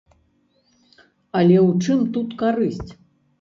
Але ў чым тут карысць?